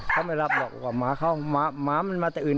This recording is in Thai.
เขาไม่รับหรอกว่าหมามันมาแต่อื่น